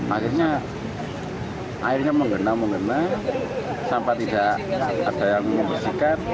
akhirnya airnya mengena mengena sampah tidak ada yang membersihkan